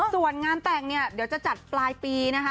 ส่วนงานแต่งเนี่ยเดี๋ยวจะจัดปลายปีนะคะ